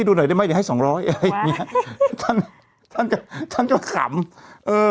ดูหน่อยได้ไหมให้สองร้อยไอ้เนี้ยท่านท่านก็ท่านก็ขำเออ